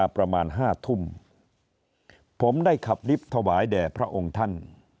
ผมได้ขับลิฟท์ถวายแด่พระองค์ท่าน